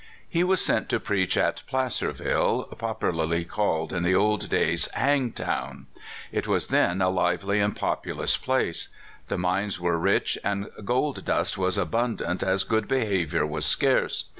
He was sent to preach in Placerville, popularly called in the old days, "Hangtown." It was then a lively and populous place. The mines were rich, and gold dust was abundant as good behavior was scarce.